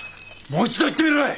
もう一度言ってみろい！